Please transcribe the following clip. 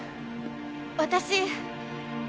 私！